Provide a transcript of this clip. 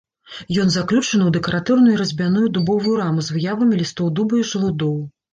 Ён заключаны ў дэкаратыўную разьбяную дубовую раму з выявамі лістоў дуба і жалудоў.